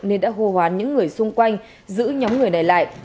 nên đã hô hoán những người xung quanh giữ nhóm người này lại